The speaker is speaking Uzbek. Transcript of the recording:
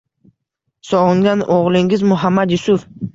Sog’ingan o’g’lingiz — Muhammad Yusuf.